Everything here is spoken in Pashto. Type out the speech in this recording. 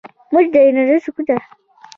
موج د انرژي کڅوړه ده.